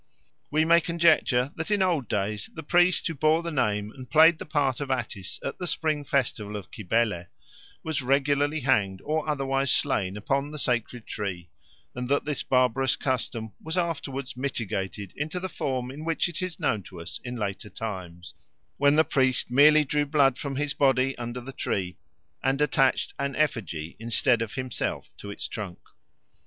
We may conjecture that in old days the priest who bore the name and played the part of Attis at the spring festival of Cybele was regularly hanged or otherwise slain upon the sacred tree, and that this barbarous custom was afterwards mitigated into the form in which it is known to us in later times, when the priest merely drew blood from his body under the tree and attached an effigy instead of himself to its trunk.